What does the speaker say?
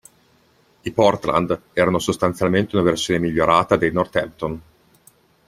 I Portland erano sostanzialmente una versione migliorata dei Northampton.